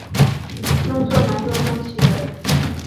弄错蛮多东西的